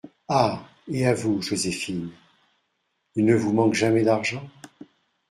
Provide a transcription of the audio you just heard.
Ah ! et à vous, Joséphine, il ne vous manque jamais d’argent ?